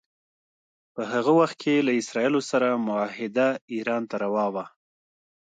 په هغه وخت کې له اسراییلو سره معاهده ایران ته روا وه.